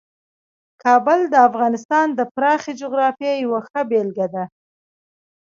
کابل د افغانستان د پراخې جغرافیې یوه ښه بېلګه ده.